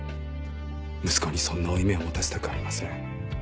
息子にそんな負い目を持たせたくありません。